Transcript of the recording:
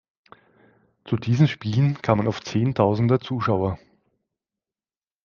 Zu diesen Spielen kamen oft Zehntausende Zuschauer.